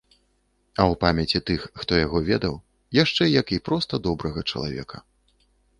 А ў памяці тых, хто яго ведаў, яшчэ як і проста добрага чалавека.